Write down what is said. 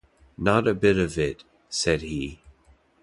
“Not a bit of it,” said he.